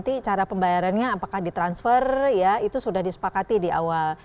apakah nanti cara pembayarannya apakah di transfer ya itu sudah disepakati di awal